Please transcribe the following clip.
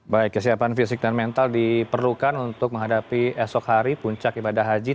baik kesiapan fisik dan mental diperlukan untuk menghadapi esok hari puncak ibadah haji